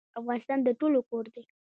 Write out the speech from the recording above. افغانستان د ټولو کور دی